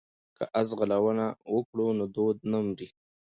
که اس ځغلونه وکړو نو دود نه مري.